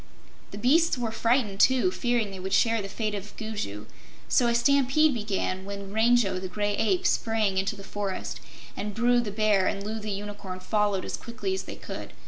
The beasts were frightened, too, fearing they would share the fate of Gugu, so a stampede began when Rango the Gray Ape sprang into the forest, and Bru the Bear and Loo the Unicorn followed as quickly as they could.